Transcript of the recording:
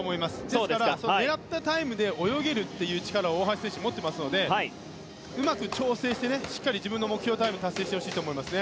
ですから狙ったタイムで泳げるっていう力を大橋選手、持っていますのでうまく調整してしっかり自分の目標タイムを達成してほしいと思います。